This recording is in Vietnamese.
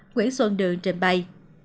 nguyễn xuân đường trình bày